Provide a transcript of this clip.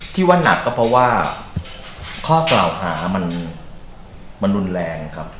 ที่ว่าหนักก็เพราะว่าข้อกล่าวหามันรุนแรงครับ